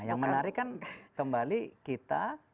yang menarik kan kembali kita